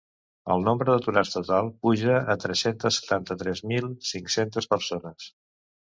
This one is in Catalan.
El nombre d’aturats total puja a tres-centes setanta-tres mil cinc-centes persones.